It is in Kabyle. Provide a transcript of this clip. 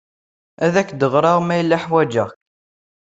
Ad ak-d-ɣreɣ, ma hwajeɣ-k.